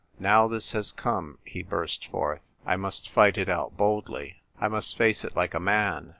"Now this has come," he burst forth, "I must fight it out boldly. I must face it like a man.